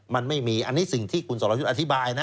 มันไม่มีอันนี้สิ่งที่คุณสรยุทธ์อธิบายนะ